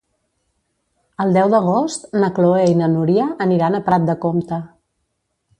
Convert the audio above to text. El deu d'agost na Chloé i na Núria aniran a Prat de Comte.